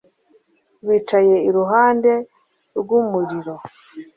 Bicaye iruhande rwumuriro